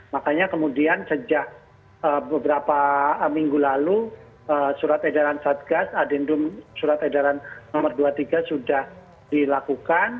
makanya kemudian sejak beberapa minggu lalu surat edaran satgas adendum surat edaran nomor dua puluh tiga sudah dilakukan